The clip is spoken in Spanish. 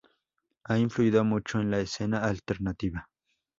Han influido mucho en la escena "alternativa".